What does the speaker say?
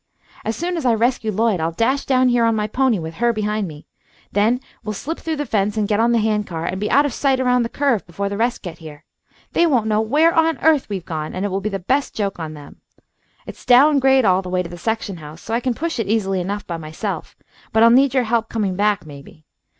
As soon as I rescue Lloyd I'll dash down here on my pony with her behind me. Then we'll slip through the fence and get on the hand car, and be out of sight around the curve before the rest get here. They won't know where on earth we've gone, and it will be the best joke on them. It's down grade all the way to the section house, so I can push it easily enough by myself, but I'll need your help coming back, maybe.